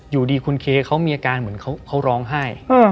อยู่ดีคุณเคเขามีอาการเหมือนเขาร้องไห้